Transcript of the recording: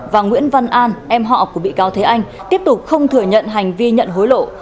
và nguyễn văn an em họ của bị cáo thế anh tiếp tục không thừa nhận hành vi nhận hối lộ